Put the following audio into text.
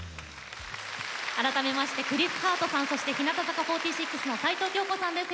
改めましてクリス・ハートさん日向坂４６の齊藤京子さんです。